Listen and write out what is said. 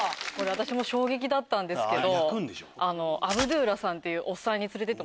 私も衝撃だったんですけど。